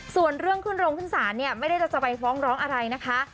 ส่วนเรื่องขึ้นโรงขึ้นศาลเนี่ยไม่ได้จะไปฟ้องร้องอะไรนะคะ